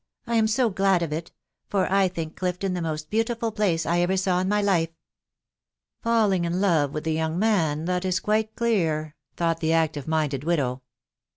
... I am so glad of it !.... for I think Clifton the moat beautiful place I ever saw in my life." " Falling in love with the young man, that is quite clear," thought the active minded widow.